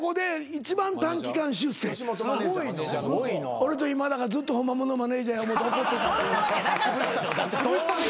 俺と今田がずっとホンマもんのマネジャーや思って怒っとったっていう。